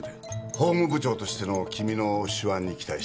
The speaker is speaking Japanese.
法務部長としての君の手腕に期待してる。